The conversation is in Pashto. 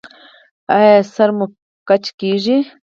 ایا سر مو ګیچ کیږي؟